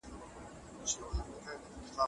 زده کوونکی به پوښتني کوي او تعليم به زياتېږي.